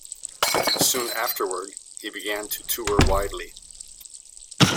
Soon afterward, he began to tour widely.